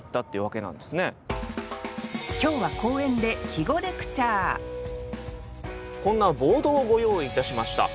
今日は公園で季語レクチャーこんなボードをご用意いたしました。